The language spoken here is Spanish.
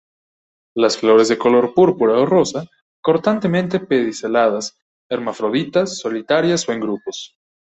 Las flores de color púrpura o rosa, cortamente pediceladas, hermafroditas, solitarias o en grupos.